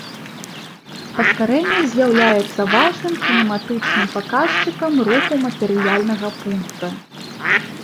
Паскарэнне з'яўляецца важным кінематычным паказчыкам руху матэрыяльнага пункта.